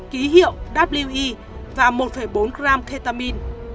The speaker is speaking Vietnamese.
ký hiệu we và một bốn g ketamine